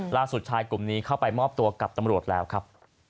ชายกลุ่มนี้เข้าไปมอบตัวกับตำรวจแล้วครับ